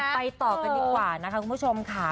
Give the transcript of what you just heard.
ต่อกันดีกว่านะคะคุณผู้ชมค่ะ